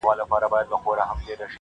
بهېږي مي رګ رګ کي ستا شراب شراب خیالونه,